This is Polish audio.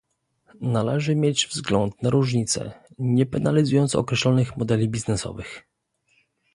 Należy mieć wzgląd na różnice, nie penalizując określonych modeli biznesowych